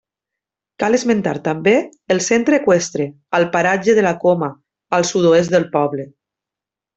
Cal esmentar també el Centre Eqüestre, al paratge de la Coma, al sud-oest del poble.